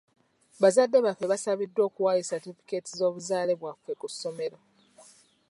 Bazadde baffe baasabiddwa okuwaayo satifikeeti z'obuzaale bwaffe ku ssomero.